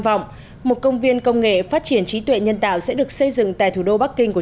vọng một công viên công nghệ phát triển trí tuệ nhân tạo sẽ được xây dựng tại thủ đô bắc kinh của